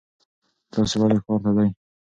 تاسو ولې ښار ته ځئ؟